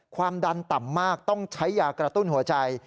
ความดันต่ำมากต้องใช้ยากระตุ้นหัวใจ